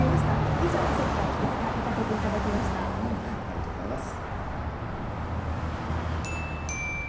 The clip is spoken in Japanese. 以上、おせっかい、焼かせていたありがとうございます。